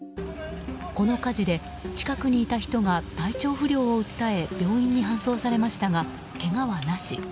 この火事で近くにいた人が体調不良を訴え病院に搬送されましたがけがはなし。